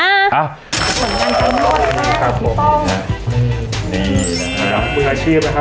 อ่ะขอบคุณค่ะครับผมนี่นี่อาชีพนะคะ